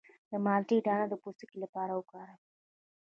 د مالټې دانه د پوستکي لپاره وکاروئ